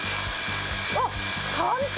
あっ簡単。